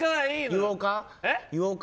言おうか？